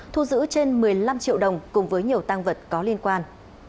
thu giữ trên một mươi năm triệu đồng cùng với nhiều tăng vật có liên quan